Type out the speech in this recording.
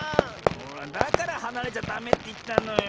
ほらだからはなれちゃダメっていったのよ。